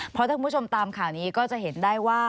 เพราะถ้าคุณผู้ชมตามข่าวนี้ก็จะเห็นได้ว่า